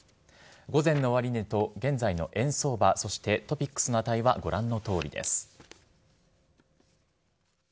午前の終値と現在の円相場、そしてＴＯＰＩＸの値はご覧のとおりです。